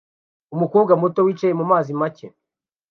Umukobwa muto wicaye mumazi make